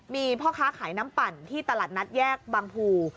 มีพ่อค้าขายน้ำปั่นที่ตลาดนัดแยกบางภู